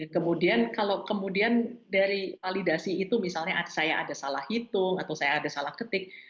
kemudian kalau kemudian dari validasi itu misalnya saya ada salah hitung atau saya ada salah ketik